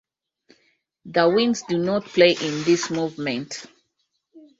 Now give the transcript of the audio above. The winds do not play in this movement.